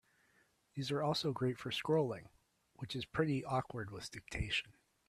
These are also great for scrolling, which is pretty awkward with dictation.